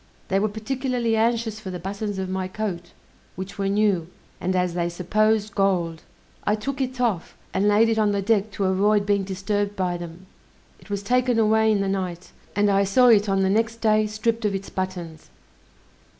They were particularly anxious for the buttons of my coat, which were new, and as they supposed gold. I took it off, and laid it on the deck to avoid being disturbed by them; it was taken away in the night, and I saw it on the next day stripped of its buttons.